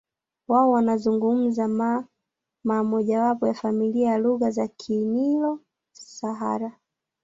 Wao wanazungumza Maa mojawapo ya familia ya lugha za Kinilo Sahara